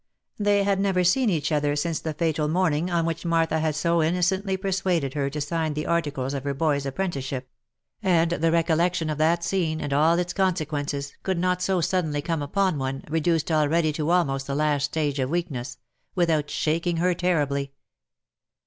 They had never seen each other since the fatal morning on which Martha had so innocently persuaded her to sign the articles of her boy's apprenticeship, and the recollection of that scene, and all its con sequences, could not so suddenly come upon one, reduced already to almost the last stage of weakness, without shaking her terribly.